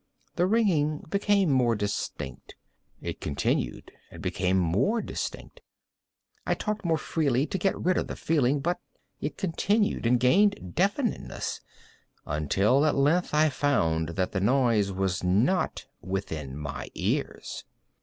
The ringing became more distinct:—it continued and became more distinct: I talked more freely to get rid of the feeling: but it continued and gained definiteness—until, at length, I found that the noise was not within my ears.